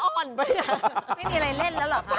ไม่มีอะไรเล่นแล้วหรอก